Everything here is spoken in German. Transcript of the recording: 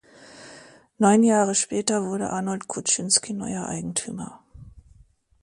Neun Jahre später wurde Arnold Kuczynski neuer Eigentümer.